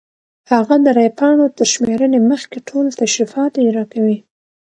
هغه د رای پاڼو تر شمېرنې مخکې ټول تشریفات اجرا کوي.